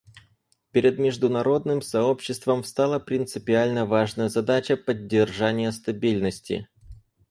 Перед международным сообществом встала принципиально важная задача поддержания стабильности.